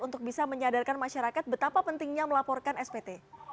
untuk bisa menyadarkan masyarakat betapa pentingnya melaporkan spt